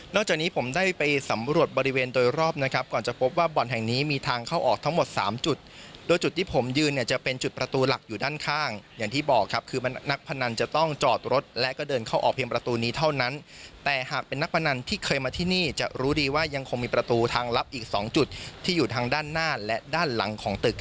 จากนี้ผมได้ไปสำรวจบริเวณโดยรอบนะครับก่อนจะพบว่าบ่อนแห่งนี้มีทางเข้าออกทั้งหมดสามจุดโดยจุดที่ผมยืนเนี่ยจะเป็นจุดประตูหลักอยู่ด้านข้างอย่างที่บอกครับคือนักพนันจะต้องจอดรถและก็เดินเข้าออกเพียงประตูนี้เท่านั้นแต่หากเป็นนักพนันที่เคยมาที่นี่จะรู้ดีว่ายังคงมีประตูทางลับอีก๒จุดที่อยู่ทางด้านหน้าและด้านหลังของตึก